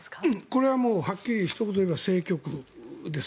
これははっきりひと言で言えば政局です。